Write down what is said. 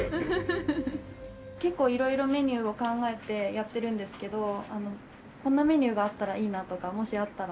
結構色々メニューを考えてやってるんですけどこんなメニューがあったらいいなとかもしあったら。